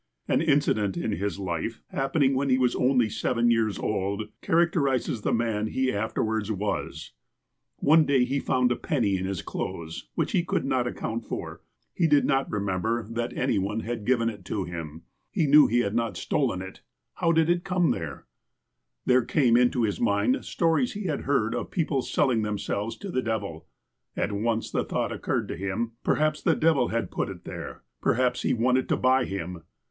An incident in his life, happening when he was only 8e\'en years old, characterizes the man he afterwards was : One day he found a penny in his clothes which he could not account for. He did not remember that any THE BOY THE FATHER OF THE MAN 21 one bad giv^en it to him. He knew lie had not stolen it — how did it come there 1 There came into his mind stories he had heard of people selling themselves to the devil. At once the thought oc curred to him :" Perhaps the devil had put it there ; perhaps he wanted to buy him."